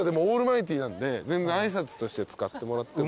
挨拶として使ってもらっても。